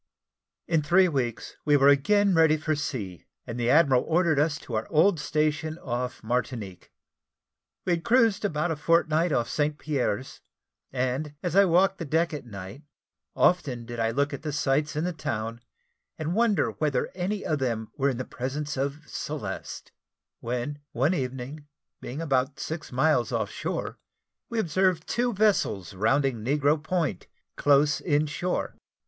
In three weeks we were again ready for sea, and the admiral ordered us to our old station off Martinique. We had cruised about a fortnight off St. Pierre's, and, as I walked the deck at night, often did I look at the sights in the town, and wonder whether any of them were in the presence of Celeste, when, one evening, being about six miles off shore, we observed two vessels rounding Negro Point, close in shore.